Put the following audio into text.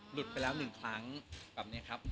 หลุดไปแล้วหนึ่งครั้งแบบนี้ครับ